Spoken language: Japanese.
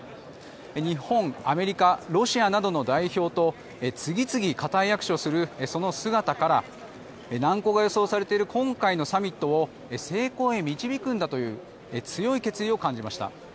日本、アメリカ、ロシアなどの代表と次々、固い握手をするその姿から難航が予想されている今回のサミットを成功へ導くんだという強い決意を感じました。